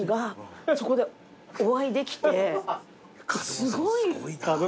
すごいな。